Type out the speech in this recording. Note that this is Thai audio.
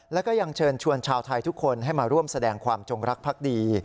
แล้วก็ยังเชิญชวนชาวไทยทุกคนให้มาร่วมแสดงความจงรักภักดี